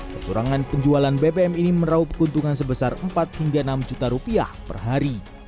kecurangan penjualan bbm ini meraup keuntungan sebesar empat hingga enam juta rupiah per hari